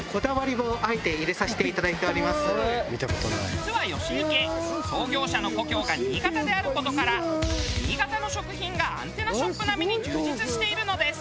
実は吉池創業者の故郷が新潟である事から新潟の食品がアンテナショップ並みに充実しているのです。